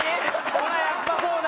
ほらやっぱそうだ！